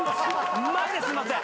マジですいません。